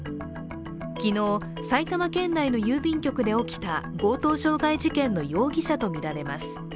昨日、埼玉県内の郵便局で起きた強盗傷害事件の容疑者とみられます。